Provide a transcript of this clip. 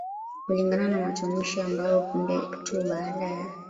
kulingana na matamushi ambayo punde tu baada ya